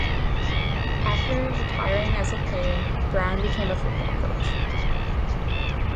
After retiring as a player, Brown became a football coach.